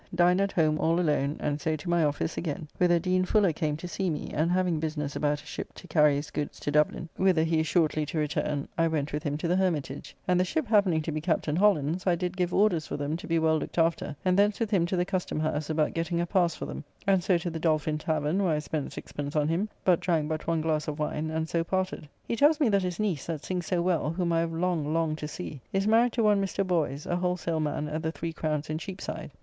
Dined at home all alone, and so to my office again, whither Dean Fuller came to see me, and having business about a ship to carry his goods to Dublin, whither he is shortly to return, I went with him to the Hermitage, and the ship happening to be Captn. Holland's I did give orders for them to be well looked after, and thence with him to the Custom House about getting a pass for them, and so to the Dolphin tavern, where I spent 6d. on him, but drank but one glass of wine, and so parted. He tells me that his niece, that sings so well, whom I have long longed to see, is married to one Mr. Boys, a wholesale man at the Three Crowns in Cheapside.